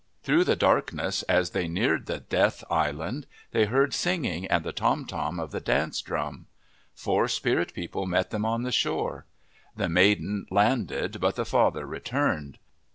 Through the darkness, as they neared the death island, they heard singing and the tom tom of the dance drum. Four spirit people met them on the shore. The maiden landed but the father returned.